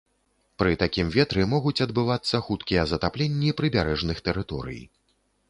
Пры такім ветры могуць адбывацца хуткія затапленні прыбярэжных тэрыторый.